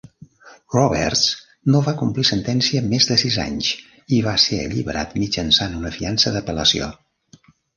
Roberts no va complir sentència més de sis anys, i va ser alliberat mitjançant una fiança d'apel·lació.